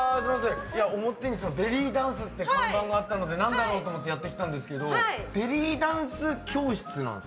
表にベリーダンスって看板があったので何だろうと思ってやってきたんですけど教室です。